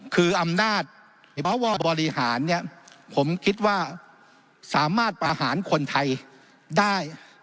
คืออำนาจบริหารเนี่ยผมคิดว่าสามารถประหารคนไทยได้